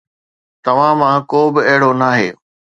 توهان مان ڪو به اهڙو ناهي